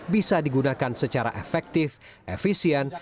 bisa digunakan secara efektif efisien